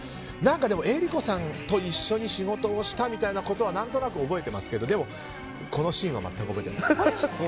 でも、江里子さんと一緒に仕事をしたみたいなことは何となく覚えていますがこのシーンは全く覚えいていないです。